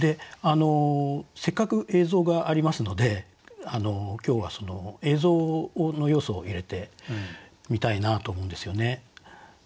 せっかく映像がありますので今日はその映像の要素を入れてみたいなと思うんですよね。